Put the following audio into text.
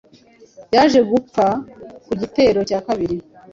Yaje gupfa ku gitero cya kabiri